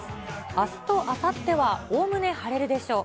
あすとあさってはおおむね晴れるでしょう。